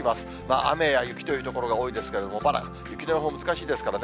雨や雪という所が多いんですけれども、まだ雪の予報、難しいですからね。